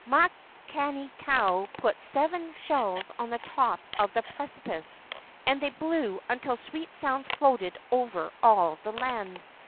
Makani kau put seven shells on the top of the precipice and they blew until sweet sounds floated over all the land.